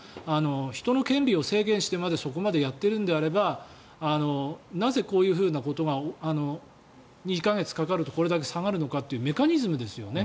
人の権利を制限してまでそこまでやっているのであればなぜ、こういうふうなことが２か月かかるとこれだけ下がるのかというメカニズムですよね。